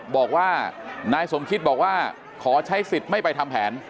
บอกว่านายสมคิตบอกว่าขอใช้สิทธิ์ไม่ไปทำแผน